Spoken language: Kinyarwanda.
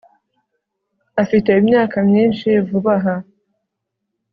Afite imyaka myinshi vuba aha